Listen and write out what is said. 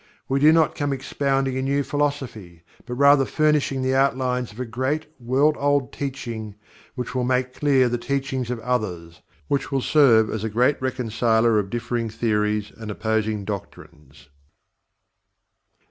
We do not come expounding a new philosophy, but rather furnishing the outlines of a great world old teaching which will make clear the teachings of others which will serve as a Great Reconciler of differing: theories, and opposing doctrines.